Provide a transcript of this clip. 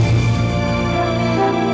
terus nyelamat berarti